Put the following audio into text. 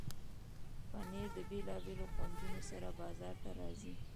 پنېر د بیلابیلو خوندونو سره بازار ته راځي.